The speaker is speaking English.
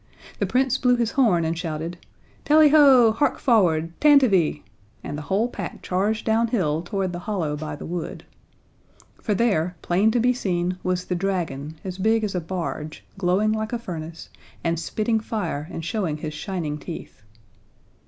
The Prince blew his horn and shouted: "Tally ho! Hark forward! Tantivy!" and the whole pack charged downhill toward the hollow by the wood. For there, plain to be seen, was the dragon, as big as a barge, glowing like a furnace, and spitting fire and showing his shining teeth.